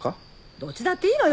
どっちだっていいのよ